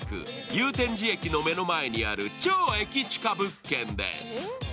祐天寺駅の目の前にある超駅近物件です。